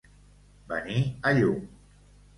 Venir a llum.